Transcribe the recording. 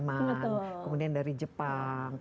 kualitasnya juga enggak kalah dengan barang barang dari jepang